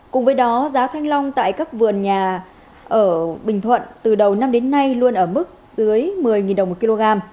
cùng với đó giá thanh long tại các vườn nhà ở bình thuận từ đầu năm đến nay luôn ở mức dưới một mươi đồng một kg